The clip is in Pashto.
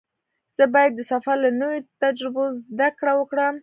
زه باید د سفر له نویو تجربو زده کړه وکړم.